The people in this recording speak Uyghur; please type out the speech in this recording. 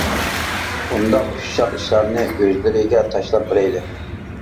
بۇنداق ئۇششاق ئىشلارنى ئۆزلىرىگە تاشلاپ بېرەيلى.